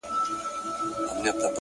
د ميني درد;